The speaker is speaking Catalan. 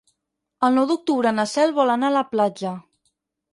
El nou d'octubre na Cel vol anar a la platja.